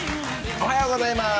おはようございます。